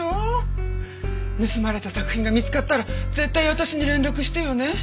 盗まれた作品が見つかったら絶対私に連絡してよね。